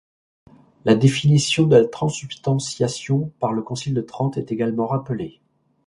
La définition de la transsubstantiation par le concile de Trente est également rappelée.